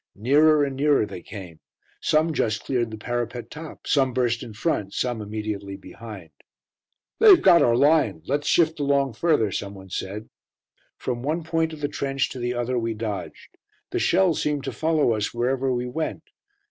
Nearer and nearer they came. Some just cleared the parapet top; some burst in front, some immediately behind. "They have got our line; let's shift along further," some one said. From one point of the trench to the other we dodged. The shells seemed to follow us wherever we went.